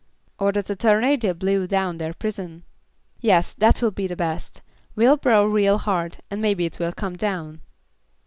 "Or that a tornado blew down their prison." "Yes, that will be the best. We'll blow real hard, and maybe it will come down."